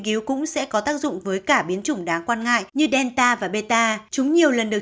cứu cũng sẽ có tác dụng với cả biến chủng đáng quan ngại như delta và beta chúng nhiều lần được